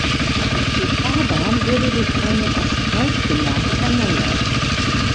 Die Fahrbahn wurde durch einen Asphaltbelag erneuert.